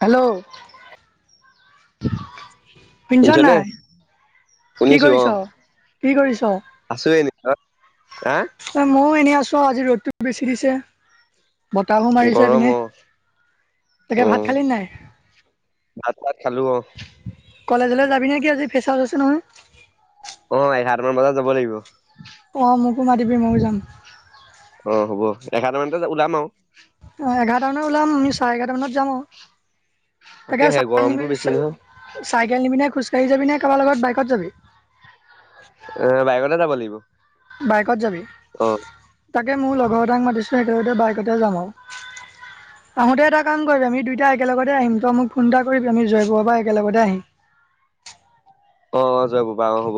Hello শুনিছ শুনিছনে? নাই [unintelligible] কি শুনিছো অ', কৰিছ কি কৰিছ আছো এনে হা ময়ো এনেই আছো আজি ৰ'দটো বেছি দিছে বতাহো মাৰিছে এই গৰম পিনে অ', তাকে ভাত, অ', খালি নাই। ভাত চাত খালো অ', কলেজলৈ যাবি নেকি আজি ফেচাছ আছে নহয়। অ এগাটামান মান বজাত যাব লাগিব অ মোকো মাটিবি ময়ো যাম [unintelligible] অ হ'ব এঘাৰ মানি ওলাম আৰু অ এঘাৰটা মানত ওলাম আমি চাৰে এঘাৰটা মানত যাম তাকে তাকেহে গৰমটো বেছি নহয় চাই চাইকেল নিবিনে খুচ গাড়ীত যাবি নে কাৰোবাৰ লগত বাইকত যাবি অ বাইগতে যাব লাগিব [unintelligible] বাইকত যাবি। অ', তাকে মোৰ লগৰ এটাক মাতিছোঁ সেইকাৰনততো বাইকতে যাম আৰু আহোতে এটা কাম কৰিবি আমি দুইটা একেলগতে আহিম তই মোক ফোন এটা কৰিবি আমি জয়পুৰাব একেলগতে আহিম। [unintelligible] অ অ যাব বা অ হ'ব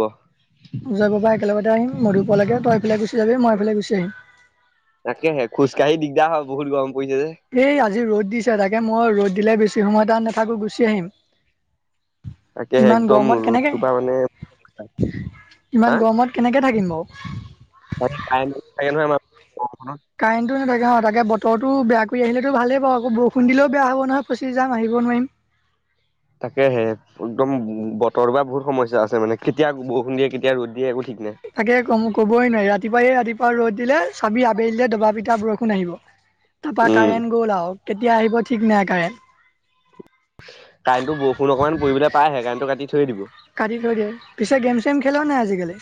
উজৰ পৰা একেলগতে আহিম মধু পুৱালকে তই এইফালে গুচি যাবি মই এইফালে গুচি আহিম। তাকেহে খোজকাঢ়ি দিগদাৰ হয় বহুত গৰম পৰিছে যে এই আজি ৰ'দ দিছে তাকে মই ৰ'দ দিলে বেছি সময় তাত নাথাকো গুচি আহিম তাকেহে ইমান একদম গৰমত কেনেকে ৰ'দটো পৰা মানে ইমান গৰমত কেনেকে থাকিম বাউ [inaudible] প থে [unintelligible] কাৰেণ্টো নেথাকে- অ তাকে বতৰো বেয়া কৰি আহিলেতো ভালেই পা আকৌ বৰষুণ দিলও বে হব নহয় ফঁচি যাম আহিব নোৱাৰিম [inaudible] তাকে হে একদম বতৰ টোপা বহু সমস্যা আছে মানে কেতিয়া বৰষুণ দিয়ে কেতিয়া ৰ'দ দিয়ে ঠিক নাই তাকে ক কবই নোৱাৰি ৰাতিপুৱাইে ৰাতিপুৱা ৰ'দ দিলে চাবি আবেল দে দবা পি তেতিয়া বৰষুণ আহিব তাৰপা উম কাৰেণ্ট গ'ল আউ কেতিয়া আহিব ঠিক নাই কাৰেণ্ট কাৰেণ্টটো বৰষুণ অকণমান কৰিবলৈ পাইহে কাৰেণ্টটো কাটি থৈয়ে দিব। কাটি থৈ দিয়ে পিছে গেম চেম খেল নাই আজি কালি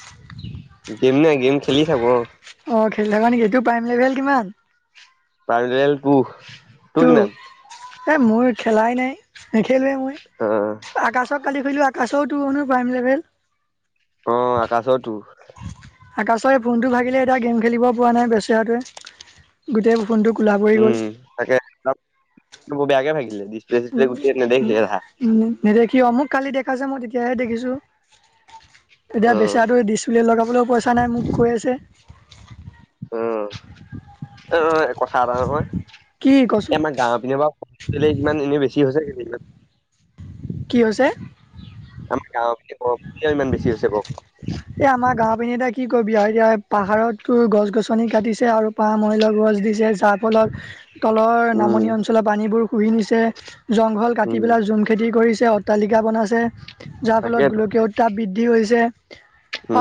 গেম নাই গেম খেলি থাক অ- অ' খেলি থাক নেকি তোৰ প্ৰাইম লেভেল কিমান পাৰেল কুহ ত এ মোৰ খেলাই নাই নেখেলোৱে মই অ আকাশত কালি খলোঁ আকাশওতো মানো প্ৰাইম লেভেল- অ আকাশতো আকাশই ফোনটো ভাগিলে এতিয়া গেম খেলিব পৰা নাই বেচেৰাটোৱে গোটেই ফোনটো খোলা কৰি উম গ'ল তাকে বেয়াকে ভাাগিলে দি [unintelligible] উ উ উ নিদখি অমুক কালি দেখা মই তেতিয়াহে দেখিছো অ এতিয়া বেচয়াটো্ লগ [unintelligible] কোলৈ পইচা নাই মোক কৈ আছে। উম অ এ কথা এটা নহয় কি এ কচোন আমাৰ গাঁৱৰ পিনেপা ইমান এনেই বেছি হৈছে নেকি? কি হৈছে? আমাৰ গাঁৱৰয়া ইমান বেছি হৈছে বও [unintelligible] এ আমাৰ গাঁও পিধি এতিয়া কি কবি আৰু এতিয়া পাহাৰতো গছ গছনি কাটিছে আৰু পাৰ মহ লগ [unintelligible] দিছে যাৰ ফলত তলৰ উম নামনি অঞ্চলত পানীবোৰ শুহি নিছে জংঘল উম কাটি পেলাই জুম খেতি কৰিছে যে অট্টালিকা বনাইছে যাৰ ফলত তাকেতো গোলকীয় উত্তাপ বৃদ্ধি হৈছে।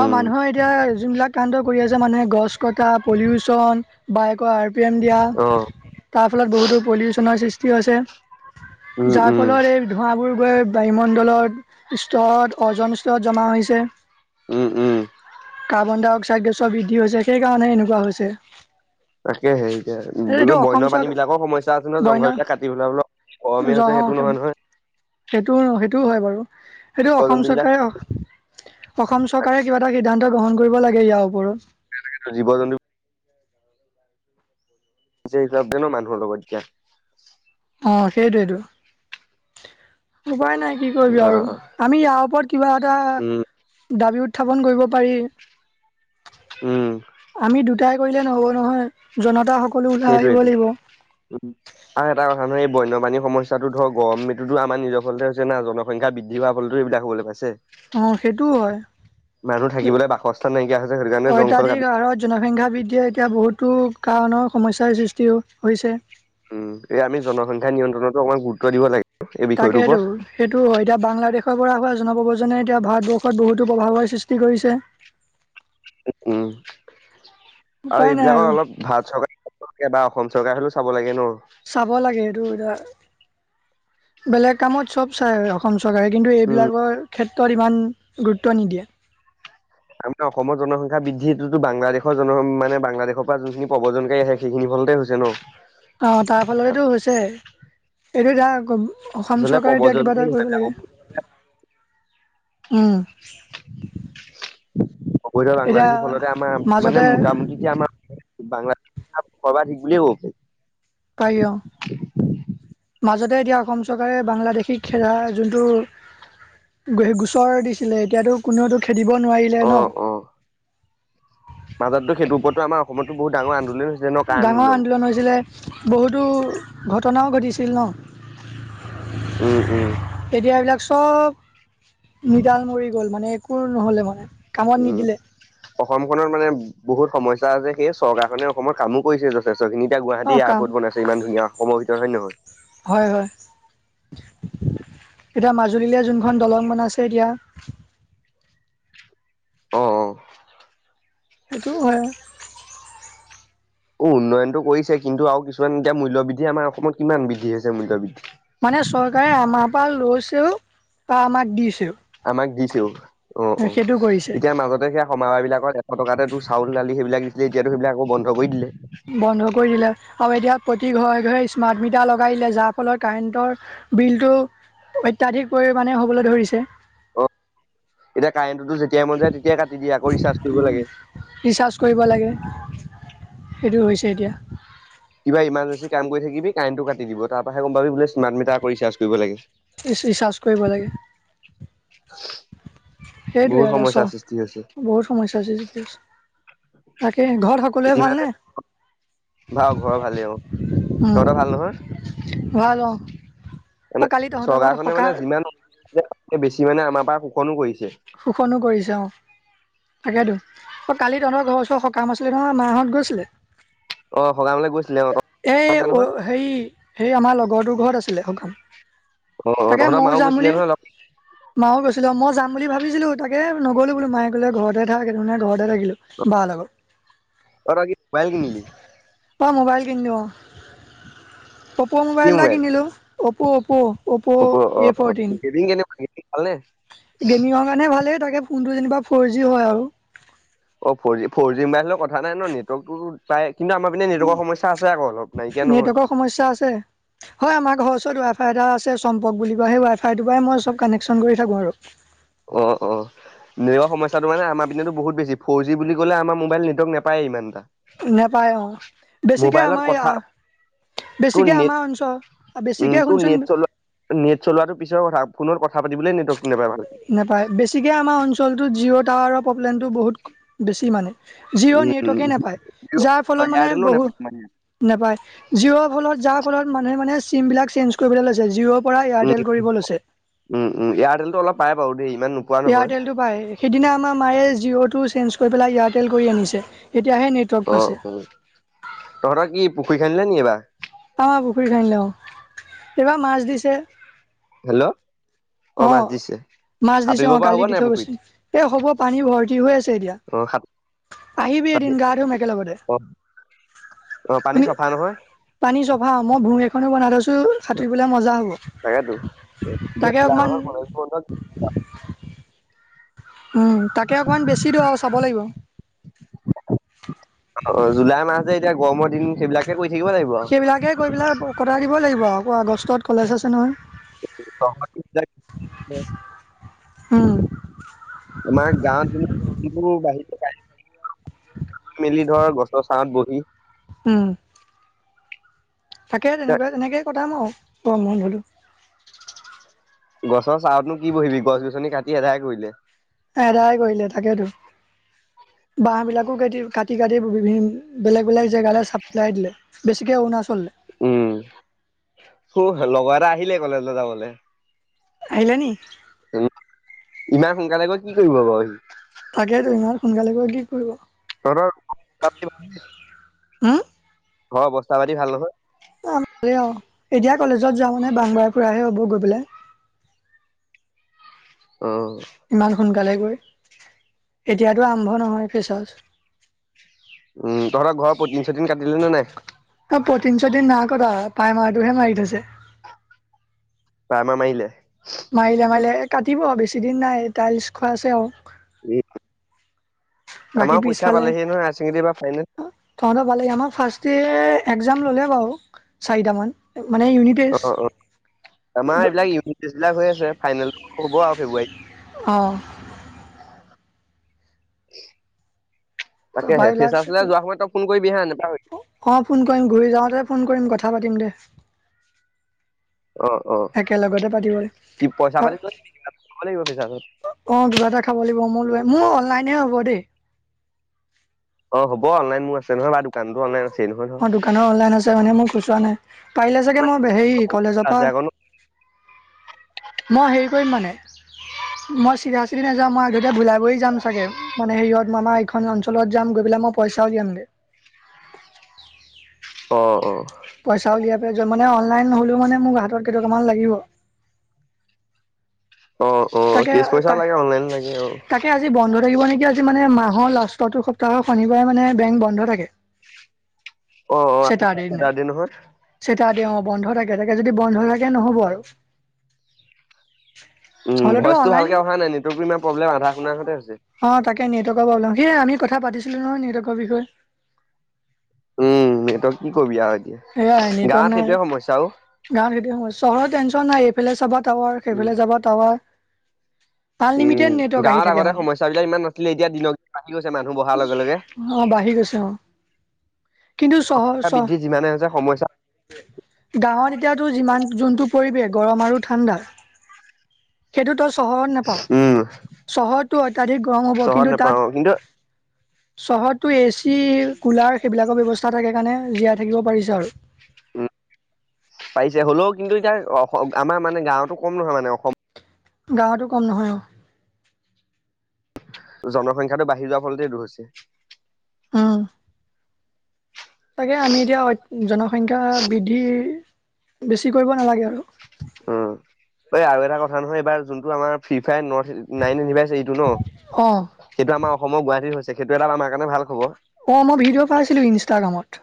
অঁ মানুহৰ এতিয়া যোনবিলাক কাণ্ড কৰি আছে মানুহে গছ কটা পলিউচন বায়েকৰ আৰ পি এম অ দিয়া তাৰ ফলত বহুতো পলিউচনৰ সৃষ্টি হৈছে। উম যাৰ উম ফলত এই ধোঁৱাবোৰ গৈ- বায়ুমণ্ডলত স্তৰত অৰ্জন স্তৰত জমা হৈছে। উম উম কাৰ্বন ডাই অক্সাইড গেছৰ‌ বৃদ্ধি হৈছে সেইকাৰণে এনেকুৱা হৈছে। তাকে হেৰিকে এইটো অসম বন্য পানী চৰকাৰ বিলাকৰ সমস্যা আছে ন বন্য জংঘল বিাক কাটি ফলা অলপ কমীয়া হৈছে সেইটো নহয় নহয় সেইটোও ন সেইটোও হয় বাৰু সেইটো জীৱ অসম জন্তু বিলাক চৰকাৰে- অসম চৰকাৰে কিবা এটা সিদ্ধান্ত গ্ৰহণ কৰিব লাগে ইয়াৰ ওপৰত জীৱ জন্তু নিজেই হিচাপ দে ন মানুহৰ লগত এতিয়া অ সেইটোয়েইটো উপায় নাই। কি কৰিবি অ আৰু আমি ইয়াৰ ওপৰত কিবা এটা উম ডাবি উত্থাপন কৰিব পাৰি উম আমি দুটা তাই কৰিলে নহব নহয় জনতা- সকলো ওলাই আহিব সেইটোয়েই টো লাগিব আৰু এটা কথা নহয় এই- বন্যপাণীৰ সমস্যাতো ধৰ গৰমটোতো আমাৰ নিজৰ ফলতে হৈছে না জনসংখ্যা বৃদ্ধি হোৱাৰ ফলতো এবিলাক হ'বলৈ পাইছে। অ সেইটোও হয়। মানুহ থাকিবলৈ বাসস্থান নাইকিয়া হৈছে সেইটো কাৰণে জংঘল অত্যাধিক কাটি হাৰত জনসংখ্যা বৃদ্ধিয়ে এতিয়া বহুত বহুতো কাৰণৰ সমস্যাৰ সৃষ্টিও হৈছে। উম এই আমি জনসংখ্যা নিয়ন্ত্ৰণতো অকমান গুৰুত্ব দিব লাগে। এই বিষয়টোৰ তাকেটো ওপৰত সেইটো হয়। এতিয়া বাংলাদেশ পৰা হোৱা জনপ্ৰজনে এতিয়া ভাৰতবৰ্ষত বহুতো প্ৰভাৱৰ সৃষ্টি কৰিছে। উম' আৰু উপায় নাই এইবিলাকৰ অলপ ভাৰত চৰকাৰে চাব লাগে বা অসম চৰকাৰে হলেও চাব লাগে ন। চাব লাগে এইটো এতিয়া বেলেগ কামত চব চাই অসম চৰকাৰে কিন্তু উম এইবিলাকৰ ক্ষেত্ৰত ইমান গুৰুত্ব নিদিয়ে। আমি অসমৰ জনসংখ্যা বৃদ্ধিটোতো বাংলাদেশৰ জন মানে বাংলাদেশৰ পৰা যিখিনি প্ৰব্ৰজনকাৰী আহে সেইখিনি আচলতে হৈছে ন। অ তাৰ ফালেটো হৈছে। এইটো ধৰা- অসম আচলতে চৰকাৰে এতিয়া কিবা প্ৰব্ৰজনকাৰী এটা কৰিব নহয় লাগে। উমহ অবৈধ বাংলাদেশীৰ ফলতে আমাৰ মানে মাজতে মোটামুটি যে আমাৰ বাংলাদেশৰ সৰ্বাধিক বুলিয়ে কব পাৰি। পাৰি অঁ মাজত- তাকে এতিয়া অসম চৰকাৰে বাংলাদেশী খেদা যোনটো সেই গোচৰ দিছিলে এতিয়াতো কোনেওতো- খেদিব নোৱাৰিলে অ ন অ মাজতো সেইটোৰ ওপৰতো আমাৰ অসমতো বহুত ডাঙৰ আন্দোলন হৈছিলে ন কা ডাঙৰ আন্দোলন হৈছিলে। বহুতো ঘটনাওঁ ঘটিছিল ন। উম উম। এতিয়া এইবিলাক চব মিডাল মৰি গ'ল মানে একো নহ'লে মানে। কামত উম নিদিলে অসমখনত মানে বহুত সমস্যা স্যা আছে সেই চৰকাৰখনে অসমত কামো কৰিছে যথেষ্টখিনি এতি গুৱাহাটী অঁ কাম এয়াৰপৰ্ট বনাইছে ইমান ধুনীয়া অসমৰ ভিত ৰত হয় নে নহয়? হয় হয়। এতিয়া মাজুলীলৈ যোনখন দলং বনাইছে এতিয়া অঁ অ সেইটো হয়। অ উন্নয়নতটো কৰিছে কিন্তু আৰু কিছুমান এতিয়া মূল্যবৃদ্ধি আমাৰ অসমত কিমান বৃদ্ধি হৈছে মূল্যবৃদ্ধি মানে চৰকাৰে আমাৰ পৰা লৈছেওঁ বা আমাক দিছেও। আমাক দিছেও অঁ অঁ সেইটো কৰিছে এতিয়া মাজতে সেই সমাৰাহ বিলাকত- এশ টকাতে তোৰ চাউল দালি সেইবিলাক দিছিলে, এতিয়াতো সেইবিলাক আকৌ বন্ধ কৰি দিলে। বন্ধ কৰি দিলে আৰু এতিয়া প্ৰতি ঘৰে ঘৰে স্মাৰ্ট মিটাৰ লগাই দিলে যাৰ ফলত কাৰেণ্টৰ বিলটো অত্যাধিক পৰিমাণে হ'বলৈ ধৰিছে, অ, এতিয়া কাৰেণ্টতো যেতিয়াই মন যায় তেতিয়াই কাটি দিয়ে আকৌ ৰিচাৰ্জ কৰিব লাগে। ৰিচাৰ্জ কৰিব লাগে। সেইটো হৈছে এতিয়া। কিবা ইমাৰ্জেন্সি কাম কৰি থাকিবি কাৰেণ্টটো কাটি দিব তাৰ পৰা হে গম পাবি বোলে স্মাৰ্ট মিটাৰ কৰি ৰিচাৰ্জ কৰিব লাগে। ৰিচাৰ্জ কৰিব লাগে। [unintelligible] সেইটোৱে [inaudible] বহুত ইয়াৰে সমস্যাৰ সৃষ্টি হৈছে ছ বহুত সমস্যা সৃষ্টি হৈছে [inaudible] ঘৰত সকলোৱে যিমানে ভালনে? ভাল ঘৰৰ ভালেই অ, উম তহঁত ভাল নহয়? ভাল অ অ মানে, কালি তহঁতৰ ঘৰত চৰকাৰখনে সকাহ মানে যিমান বেছি মানে আমাৰ পৰা শুকনো কৰিছে। শোষণো কৰিছে অঁ। তাকেইতো অ কালি তহঁতৰ ঘৰ ওচৰ সকাম আছিলে নহয় মাহঁত গৈছিলে অ সকামলে গৈছিলে অ এই পাইছে অ নহয় সেৰি সেই আমাৰ লগৰটোৰ ঘৰত আছিলে সকাম। অ অ তাকে তহঁতৰ ময়ো মাও যাম গৈছিলে বুলি, নহয় লগ মাও গৈছিলো মই যাম যাম বুলি ভাবিছিলো তাকে নগ'লো বোলো মায়ে ক'লে ঘৰতে থাক সেই কাৰণেই ঘৰতে থাকিলো বা লগত। অ তই কি মোবাইল কিনিলি মই মোবাইল কিনিলো অ, অ'প' মোবাইল এটা কিনিলোঁ, অ'প' অ'প'। অ'প' অ এ অ ফ'ৰ্টিন গেমিং কেনেকুৱা গেমিং ভালনে? গেমিং কাৰণে ভালে থাকে ফোনটো যেনিবা ফ'ৰ জি হয় আৰু অ ফৰ জি মোবাইলৰ কথা নাই নহয় নেটৱৰ্কটো পাই। নহয়। নেটৱৰ্কৰ সমস্যা আছে, হয় আমাৰ ঘৰ ওচৰত ত ৱাই ফাই এটা আছে চম্পক বুলি কোৱা সেই ৱাই ফাইটোৰ পৰাই মই চব কানেকশ্যন কৰি থাকোঁ আৰু। অ অ। নেটৱৰ্কৰ সম্যাটো মানে আমাৰ পিনে বহুত বেছি ফৰ জি বুলি কলে আমাৰ মোবাইল নেটৱৰ্ক নাপায়েই ইমানটা। নাপায় অঁ বেছিকে আমাৰ কথা ইয়াৰ- তোৰ নেট, উম বেছিকে তোৰ শুনচোন নেট চলোৱা নেট চলোৱাটো পিছৰ কথা ফোনত কথা পাতিবলে নেটৱৰ্ক নাপাই ভালকে। নাপায় বেছিকৈ আমাৰ অঞ্চলটোত জিঅ' টাৱাৰৰ প্ৰব্লেমটো বহুত বেছি মানে। জিঅ' উম, নেটৱৰ্কে নাপায় যাৰ উম। ফলত মানে এয়াৰটেলো নাপায় মানে। বহুত- নাপায় জিৱৰ ফলত যা ফলত মানুহে মানে চিম বিলাক চেঞ্জ কৰিবলৈ লৈছে জিঅ'ৰ পৰা উম, এয়াৰটেল কৰিব লৈছে উম, উম ইয়াৰ্টেলটো অলপ পায় বাৰু দেই ইমান নোপোৱা নহয়। এয়াৰটেলটো পায় সেইদিনা মাইয়ে জিঅ'টো চেন্স গৈ পেলাই এয়াৰটেল কৰি আনিছে, এতিয়াহে নেটৱৰ্ক অ', পাইছে। খেললে নি এইবাৰ? আমাৰ পুখুৰী খাই অ, এইবাৰ মাছ দিছে হেল্ল' অঁ অ মাছ দিছে। মাছ দিছে সাঁতুৰিব অ পৰা কালি হ'ব দি নাই থৈ গৈছে, পুখুৰীত? এ হ'ব পানী ভৰ্তি হৈ আছে এতিয়া। অ' সাত আহিবি পানী এদিন গা ধুম একেলগতে? অ', অ' পানী শুনি, চফা নহয় পানী চফা মই ভূই এখনো বনাই থৈছো সাতুৰিবলৈ মজা হ'ব। তাকেটো, তাকে এতিয়া অকমান আমাৰ কলেজ বন্ধত উম' তাকে অকণমান বেছি দওঁ আৰু চাব লাগিব। অ জুলাই মাহ যে এতিয়া গৰমৰ দিন সেইবিলাকে হৈ সেইবিলাকে গৈ পেলাই, কটাই দিব লাগিব আকৌ আগষ্টত কলেজ আছে নহয়। [inaudible] উম'। আমাৰ গাঁৱত জুন যিখিনি বাহি মেলি ধৰ গছৰ ছাঁত বহি উম'। থাকে তেনেকুৱা তেনেকেই কটাম আও গৰম বন্ধটো। গছৰ চাহতনো কি বহিবি গছ-গছনি কাটি এদাই কৰি দিলে। এদাই কৰিলে তাকেতো, বাহ বিলাক ক কাটি কাটি কাটি বিভিন বেলেগ বেলেগ জেগালৈ চাপ্লাই দিলে বেছিকে অৰুণাচললে। উম মু লগৰ এটা আহিলে কলেজলৈ যাবলে। আহিলা নি উম, ইমান সোনকালে গৈ কি কৰিব বাৰু সি? তাকেতো ইমান সোনকালে গৈ কি কৰিব? তহতৰ ঘৰ হম বস্তা পাতি ভাল নহয়। অ ভাল অ এতিয়া কলেজত যাওঁ মানে বাহ বাৰ ফুৰাহে হ'ব গৈ পেলাই। অ ইমান সোনকালে গৈ। এতিয়াতো আৰম্ভ নহয় ফ্ৰেচাৰ্চ। উম [unintelligible] তহঁতৰ ঘৰৰ পটিন চটিন কাটিলে নে নাই প্ৰায়মাৰটোহে মাৰি থৈছে। প্ৰাইমাৰ মাৰিলে? মাৰিলে মাৰিলে কাটিব আৰু বেছিদিন নাই টাইলছ খোৱা আছে আৰু। বাকী আমাৰো পৰীক্ষা পিছফালে পালেহে নহয় হায়াৰ ছেকেণ্ডেৰী বা ফাইনেল। তহঁতৰ ভালে আমাৰ ফাৰ্ষ্ট ডে একজাম ললে বাৰু চাৰিটামান মানে ইউনি অ অ আমাৰ এইবিলাক ইউনিট টেষ্ট টেষ্ট। বিলাক হৈ আছে ফাইনেল হ'ব আৰু ফেব্ৰুৱাৰীত? অঁ। তাকে তাৰপা হে এইবিলাক ফ্ৰেচাৰ্চ চলা যোৱা সময়ত ফোন কৰিবি হা নেপাহৰিবি অ' ফোন কৰিম ঘূৰি যাওঁতে ফোন কৰিম কথা পাতিম দে। অ', অ', একেলগতে পাতিব। কি পইচা আ অ পাতি লৈ আহিবি ল'ব লাগিব ফেচাৰ্চত কিবা এটা খাব লাগিব মোৰ ল মোৰ অনলাইনে হ'ব দেই। অ হ'ব অনলাইন মোৰ আছে নহয় ব দোকানতো অনলাইন আছেই নহয় ধৰ অহ, দোকানৰ অনলাইন আছে মানে মোক খুচুৰা নাই, পাৰিলে চাগে অনলাইনত মই হেৰি বহুত সুবিধা কলেজৰ আছে আকৌ ন পৰা মই হেৰি কৰিম মানে মই চিধা চিধি নাযাওঁ মই আগতীয়া ভোলাই খন অঞ্চলত যাম গৈ পেলাই মই পইচাও দিয়াম গে। অহ অহ। পইচা উলিয়াই পে যোৱা মানে অনলাইন হৈ মানে মোক হাতত কেইটকামান লাগিব। অ', অ', তাকে কেচ পইচাও তা লাগে অনলাইন লাগে অ', তাকে আজি বন্ধ থাকিব নেকি আজি মানে মাহৰ লা ষ্টৰ সপ্তাহ শনিবাৰে মানে বেংক বন্ধ থাকে। অ চেটাৰডে অ দিনা অ [unintelligible] [unintelligible] বন্ধ থাকে তাকে যদি বন্ধ থাকে নহ'ব আৰু। উম, ভইচটো ভালকে অহা নাই [unintelligible] নেটৱৰ্কটো ইমান প্ৰব্লেম আধা শুনা কথা আহোতে হৈছে পাতিছিলো নহয় নিকৰ বিষয়ে উম স তই কি কৰিবি আও এতিয়া সেয়াই নেটৱৰ্ক গাঁৱত নাই। সেইটোৱে সমস্যা আও গাঁৱত হেতু সমস্যা হয় চহৰত টেনশন নাই এইফালে চাবা টাৱাৰ উম, সেইফালে যাবা টাৱাৰ। উম আনলিমিটেড নেটৱৰ্ক আহি গাঁৱত থাকে আগতে মানে সমস্যাবিলাক ইমান নাছিলে এতিয়া দিনক দ বাকি গৈছে মানুহ বহাৰ লগে লগে। অ বাঢ়ি গৈছে অ। কিন্তু চহৰ চহ বৃদ্ধি যিমানে হৈছে সমস্যা গাঁৱত। সেইটো যিমান যোনটো পৰিৱেশ গৰম আৰু ঠাণ্ডা সেইটো তই চহৰত নেপাওঁ। উম, চহৰতটো অত্যাধিক গৰম হ'ব চহৰত কিন্তু, তাত নাপাওঁ কিন্তু চহতটো এ চি কুলাৰ সেইবিলাকৰ ব্যৱস্থা থাকে কাৰণে জীয়াই থাকিব পাৰিছে আৰু। [inaudible] পাইছে হ'লেও কিন্তু এতিয়া আমাৰ মানে গাঁৱতো কম নহয় মানে অসম। গাৱটো কম নহয় অ'। জনসংখ্যাটো বাঢ়ি যোৱাৰ ফলতেই দূৰ হৈছে। উম, তাকে আমি এতিয়া জনসংখ্যা বৃদ্ধি বেছি কৰিব নালাগে আৰু উম, এই আৰু এটা কথা নহয় এইবাৰ যোনটো আমাৰ ফ্ৰী ফায় নট নাইন ইউনিভাৰ্ছ এইটো ন' অ', এইটো আমাৰ অসমৰ গুৱাহাটীত হৈছে, সেইটো এটা আমাৰ কাৰণে ভাল খবৰ। অ মই ভিডিঅ' পাইছিলো ইনষ্টাগ্ৰামত?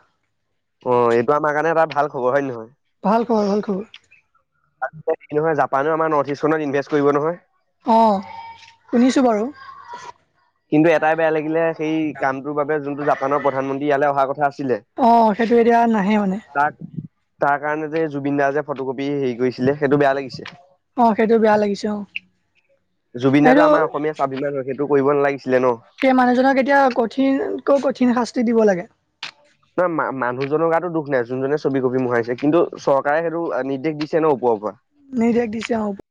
অ এইটো আমাৰ কাৰণে এটা ভাল খবৰ হয় নে নহয়। ভাল খবৰ ভাল খবৰ। কি নহয় জানো আমাৰ নথ ইষ্টণত ইনভেষ্ট কৰিব নহয়। তো বাৰু। কিন্তু এটাই বেয়া লাগিলে সেই কামটোৰ বাবে যোনটো জাপানৰ প্ৰধানমন্ত্ৰী ইয়ালৈ অহাৰ কথা আছিলে অহ, সেইটো এতিয়া নাহে মানে। তাক তাৰ কাৰণে যে জুবিন দা যে ফটো কপি হেৰি কৰিছিলে সেইটো বেয়া লাগিছে। অহ, সেইটো বেয়া লাগিছে অ'। জুবিনদাটো সেইটো আমাৰ অসমীয়া স্বাভিমান হয়, সেইটো কৰিব নালাগিছি- সেই মানুহজনক এতিয়া কঠিনকৈ কঠিন শাস্তি দিব লাগে। নহয়, মানুহজনৰ গাতো দুখ নাই যোনজনে ছবি কপবি মোহাইছে কিন্তু চৰকাৰে সেইটো নিৰ্দেশ দিছে ন ওপৰৰ পৰা। নিৰ্দেশ দিছে অহ ওপ-